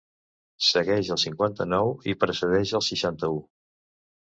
Segueix el cinquanta-nou i precedeix el seixanta-u.